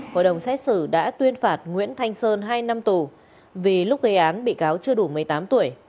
hội đồng xét xử đã tuyên phạt nguyễn thanh sơn hai năm tù vì lúc gây án bị cáo chưa đủ một mươi tám tuổi